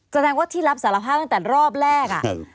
แสดงว่าที่รับสารภาพตั้งแต่รอบแรก